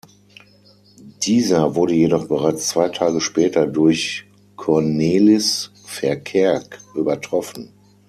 Dieser wurde jedoch bereits zwei Tage später durch Cornelis Verkerk übertroffen.